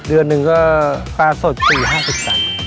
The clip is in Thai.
เดือนหนึ่งก็ปลาสด๔๕๐บาท